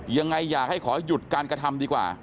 ยังไงอยากให้ขอหยุดการกระทำดีกว่า